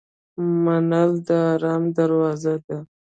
منل د آرام دروازه ده.